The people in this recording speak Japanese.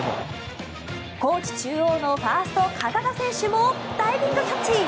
高知中央のファースト堅田選手もダイビングキャッチ。